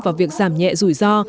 và việc giảm nhẹ rủi ro